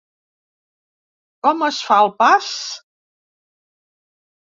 Com es fa el pas?